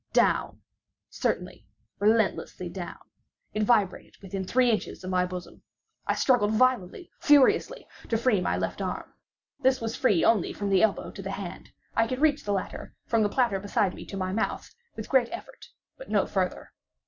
Down—certainly, relentlessly down! It vibrated within three inches of my bosom! I struggled violently, furiously, to free my left arm. This was free only from the elbow to the hand. I could reach the latter, from the platter beside me, to my mouth, with great effort, but no farther.